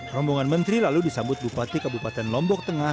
rombongan menteri lalu disambut bupati kabupaten lombok tengah